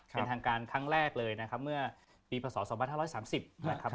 เป็นทางการครั้งแรกเลยนะครับเมื่อปีพศ๒๕๓๐นะครับ